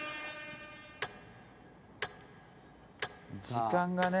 ・時間がね